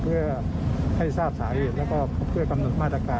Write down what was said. เพื่อให้ทราบสาเหตุแล้วก็เพื่อกำหนดมาตรการ